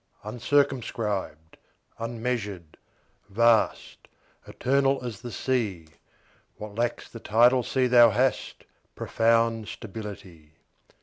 UNCIRCUMSCRIBED, unmeasured, vast, Eternal as the Sea; What lacks the tidal sea thou hast Profound stability.